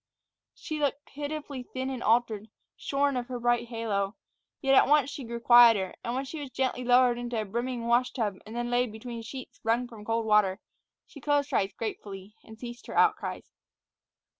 She looked pitifully thin and altered, shorn of her bright halo; yet at once she grew quieter, and when she was gently lowered into the brimming wash tub and then laid between sheets wrung from cold water, she closed her eyes gratefully and ceased her outcries.